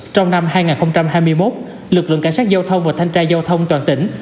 trong năm hai nghìn hai mươi một lực lượng cảnh sát giao thông và thanh tra giao thông toàn tỉnh